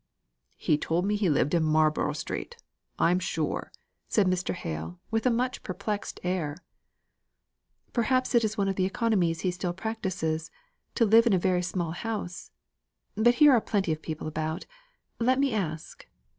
"He told me he lived in Marlborough Street, I'm sure," said Mr. Hale, with a much perplexed air. "Perhaps it is one of the economies he still practises, to live in a very small house. But here are plenty of people about; let me ask."